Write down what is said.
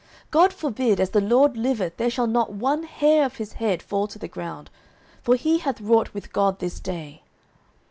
God forbid: as the LORD liveth, there shall not one hair of his head fall to the ground; for he hath wrought with God this day.